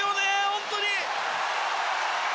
本当に。